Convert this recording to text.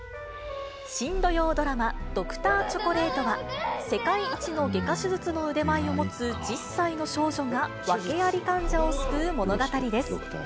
新土曜ドラマ、ドクターチョコレートは、世界一の外科手術の腕前を持つ１０歳の少女が、訳あり患者を救う物語です。